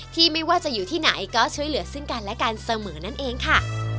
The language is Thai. ไม่ว่าจะอยู่ที่ไหนก็ช่วยเหลือซึ่งกันและกันเสมอนั่นเองค่ะ